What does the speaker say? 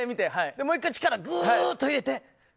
もう１回力をぐーっと入れて。